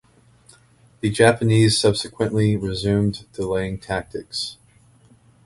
The Japanese subsequently resumed delaying tactics.